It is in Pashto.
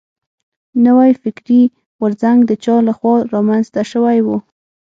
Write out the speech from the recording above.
نوی فکري غورځنګ د چا له خوا را منځ ته شوی و.